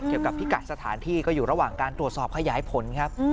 พิกัดสถานที่ก็อยู่ระหว่างการตรวจสอบขยายผลครับ